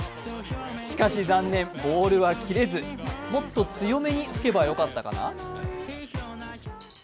しかし、残念、ボールは切れず、もっと強めに吹けばよかったかな？